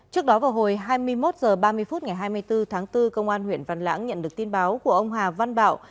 trước đó vào hồi hai mươi một h ba mươi phút ngày hai mươi bốn tháng bốn công an huyện văn lãng nhận được tin báo của ông hà văn bảo